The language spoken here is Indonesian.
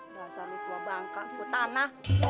bahasa lu tua bangka butana